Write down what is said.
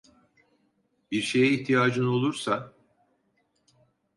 Bir şeye ihtiyacın olursa…